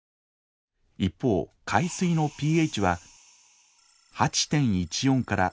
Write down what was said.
一方海水のｐＨは８．１４から８．０６。